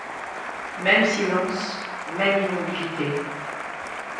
Même silence, même immobilité.